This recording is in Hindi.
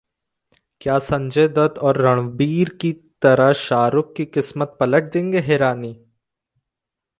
क्या संजय दत्त और रणबीर की तरह शाहरुख की किस्मत पलट देंगे हिरानी?